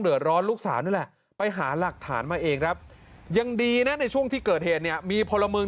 เดือดร้อนลูกสาวนี่แหละไปหาหลักฐานมาเองครับยังดีนะในช่วงที่เกิดเหตุเนี่ยมีพลเมือง